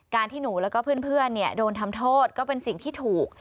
ที่หนูแล้วก็เพื่อนโดนทำโทษก็เป็นสิ่งที่ถูก